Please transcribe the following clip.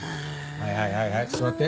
はいはいはいはい座って。